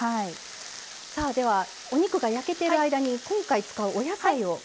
さあではお肉が焼けている間に今回使うお野菜をご紹介下さい。